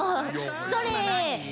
それ！